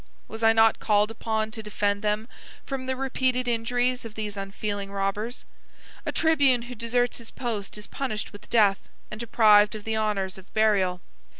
Was I not called upon to defend them from the repeated injuries of these unfeeling robbers? A tribune who deserts his post is punished with death, and deprived of the honors of burial.